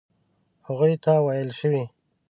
هغوی ته ویل شوي.